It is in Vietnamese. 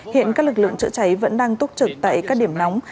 hiện các lực lượng chữa cháy vẫn đang túc trực tại các điểm nóng